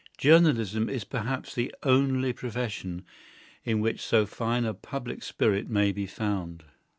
Journalism is perhaps the only profession in which so fine a public spirit may be found.